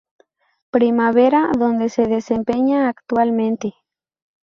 Primavera donde se desempeña actualmente.